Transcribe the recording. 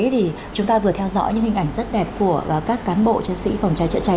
thì chúng ta vừa theo dõi những hình ảnh rất đẹp của các cán bộ chiến sĩ phòng cháy chữa cháy